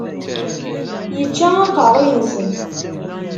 Yečča aqerruy-nsen.